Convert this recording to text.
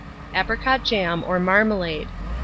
APRICOT JAM or MARMALADE.